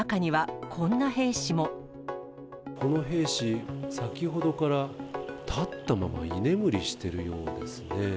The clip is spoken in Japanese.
この兵士、先ほどから立ったまま居眠りしているようですね。